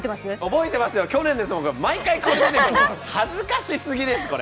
覚えてますよ、去年ですもん毎回これ出てくる、恥ずかしスギです、これ。